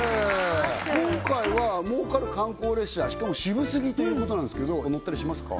今回は儲かる観光列車しかもシブすぎということなんですけど乗ったりしますか？